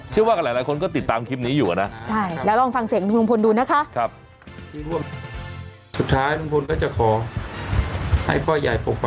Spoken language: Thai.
ชื่อว่ากับหลายคนก็ติดตามคลิปนี้อยู่นะ